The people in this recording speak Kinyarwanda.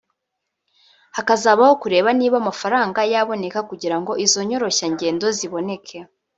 hakazabaho kureba niba amafaranga yaboneka kugira ngo izo nyoroshyangendo ziboneke